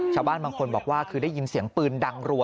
ชาวบ้านบางคนบอกว่าคือได้ยินเสียงปืนดังรัว